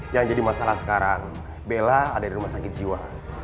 yang jadi masalah sekarang bella ada di rumah sakit jiwa